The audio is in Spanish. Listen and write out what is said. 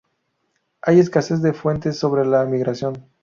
Hay escasez de fuentes sobre la migración.